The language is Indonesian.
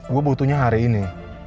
gue butuhnya hari ini